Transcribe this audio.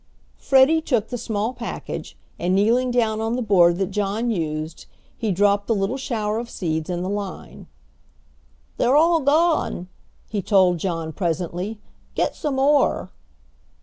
Freddie took the small package, and kneeling down on the board that John used, he dropped the little shower of seeds in the line. "They're all gone!" he told John presently; "get some more."